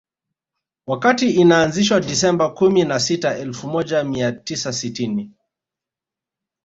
Wakati inaanzishwa Disemba kumi na sita elfu moja mia tisa sitini